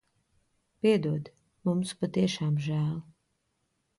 Piedod. Mums patiešām žēl.